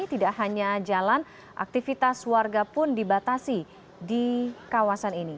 tidak hanya jalan aktivitas warga pun dibatasi di kawasan ini